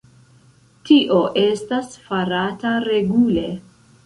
Tio estas farata regule.